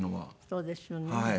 そうですよね。